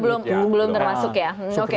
belum belum belum termasuk ya oke